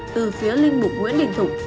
từ phía linh bụng nguyễn đình thục